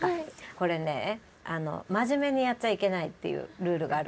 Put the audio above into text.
これね真面目にやっちゃいけないっていうルールがある。